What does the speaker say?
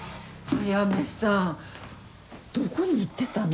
早梅さんどこに行ってたの？